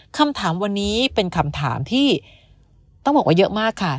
คำถามวันนี้เป็นคำถามที่ต้องบอกว่าเยอะมากค่ะ